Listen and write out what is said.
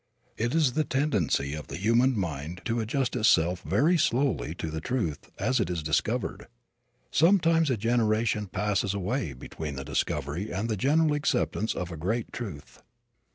It is the tendency of the human mind to adjust itself very slowly to the truth, as it is discovered. Sometimes a generation passes away between the discovery and the general acceptance of a great truth.